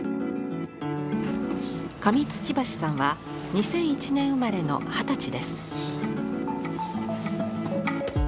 上土橋さんは２００１年生まれの二十歳です。